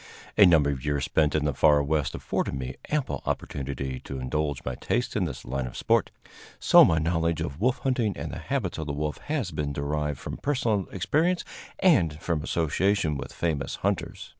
A number of years spent in the far West afforded me ample opportunity to indulge my tastes in this line of sport, so my knowledge of wolf hunting and the habits of the wolf has been derived from personal experience and from association with famous hunters.